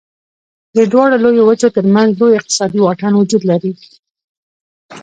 د دواړو لویو وچو تر منځ لوی اقتصادي واټن وجود لري.